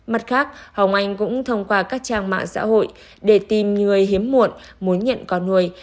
mặt khác hồng anh cũng thông qua các trang mạng xã hội để tìm người hiếm muộn muốn nhận con nuôi